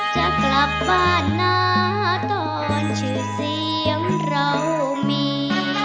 จะกลับบ้านนะตอนชื่อเสียงเรามี